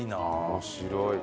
面白い。